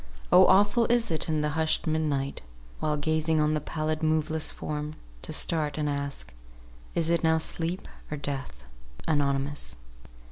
O awful is it in the hushed mid night, While gazing on the pallid, moveless form, To start and ask, 'Is it now sleep or death?'" ANONYMOUS.